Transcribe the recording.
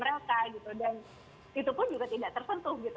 atau ke akun akun sosial media mereka gitu dan itu pun juga tidak tertentu gitu